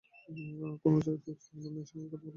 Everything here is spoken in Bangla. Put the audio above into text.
কোন চাই, তা আপনি আমার মেয়ের সঙ্গে কথা বললেই বুঝবেন।